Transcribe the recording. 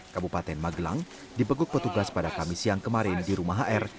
kabupaten magelang dibekuk petugas pada kamis siang kemarin di rumah hr